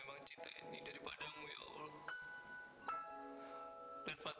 eh sir kan kita jadi minta orang jahat